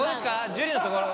樹のところ。